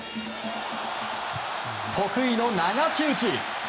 得意の流し打ち！